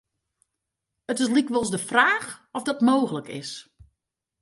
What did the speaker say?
It is lykwols de fraach oft dat mooglik is.